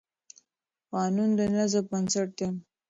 قانون د نظم بنسټ دی.